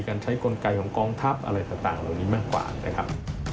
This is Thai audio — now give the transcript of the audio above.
ใช้กลไกของกองทัพอะไรต่างเหล่านี้มากกว่านะครับ